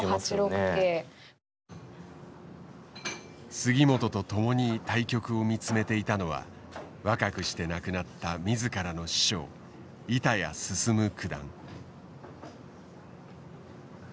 杉本と共に対局を見つめていたのは若くして亡くなった自らの師匠板谷進九段。